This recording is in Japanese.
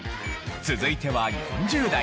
続いては４０代。